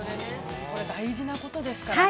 ◆これ大事なことですからね